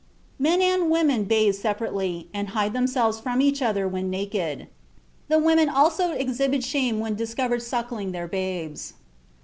Men and women bathe separately, and hide themselves from each other when naked. The women also exhibit shame when discovered suckling their babies.